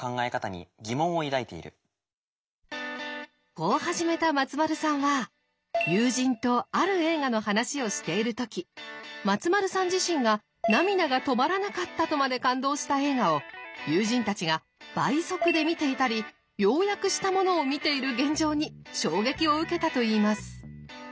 こう始めた松丸さんは友人とある映画の話をしている時松丸さん自身が涙が止まらなかったとまで感動した映画を友人たちが倍速で見ていたり要約したものを見ている現状に衝撃を受けたといいます。